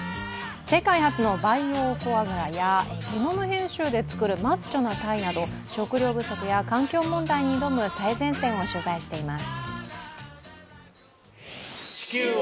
世界初の培養フォアグラやゲノム編集で作るマッチョなタイなど食料不足や環境問題に挑む最前線を取材しています。